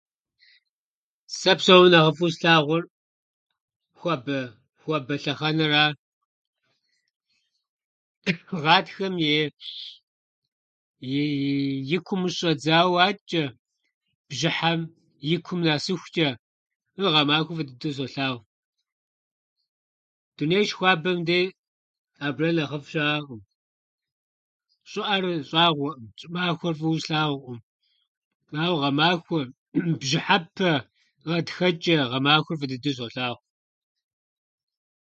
Сэ псом нэ нэхъыфӏу слъагъуэр хуабэ- хуабэ лъэхэнэра. Гъатхэм и- ии- и кум къыщыщӏэдзауэ атчӏэ, бжьыхьэм и кум нэсыхучӏэ, ну, гъэмахуэр фӏы дыдэу солъагъу. Дунейр щыхуабэм дей абы нэ нэхъыфӏ щыӏэкъым. Щӏыӏэр щӏагъуэӏым, щӏымахуэр фӏыуэ слъагъуӏым, ауэ гъэмахуэр, бжьыхьэпэ, гъатхэчӏэ, гъэмахуэр фӏы дыдэу солъагъу.